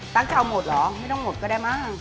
ตั้งจะเอาหมดหรอไม่ต้องหมดก็ได้มาก